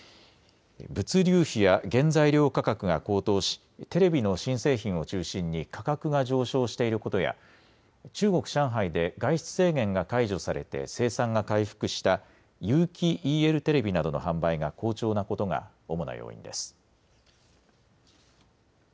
物流費や原材料価格が高騰しテレビの新製品を中心に価格が上昇していることや中国・上海で外出制限が解除されて生産が回復した有機ＥＬテレビなどの販売が好調なことが主な要因です。